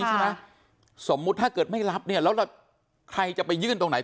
ใช่ไหมสมมุติถ้าเกิดไม่รับเนี่ยแล้วใครจะไปยื่นตรงไหน